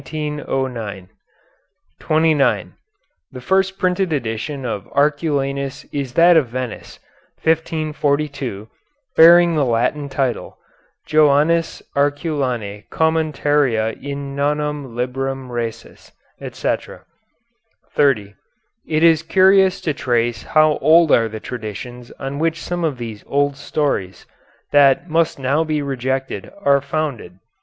] [Footnote 29: The first printed edition of Arculanus is that of Venice, 1542, bearing the Latin title, "Joannis Arculani Commentaria in Nonum Librum Rasis," etc.] [Footnote 30: It is curious to trace how old are the traditions on which some of these old stories, that must now be rejected, are founded.